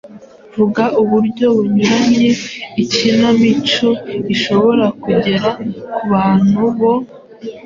Vuga uburyo bunyuranye ikinamico ishobora kugera kubantu bo